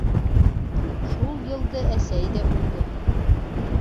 Шул йылды әсәй ҙә үлде...